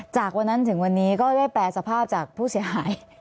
จากวันนั้นถึงวันนี้ก็ได้แปรสภาพจากผู้เสียหาย